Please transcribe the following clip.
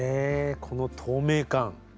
この透明感。